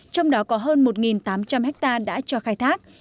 trong đó có hơn một tám trăm linh hectare đã cho khai thác